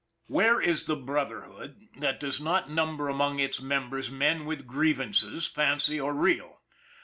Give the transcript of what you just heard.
Where is the Brotherhood that does not number among its members men with grievances, fancied or real?